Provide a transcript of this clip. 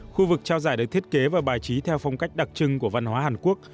khu vực trao giải được thiết kế và bài trí theo phong cách đặc trưng của văn hóa hàn quốc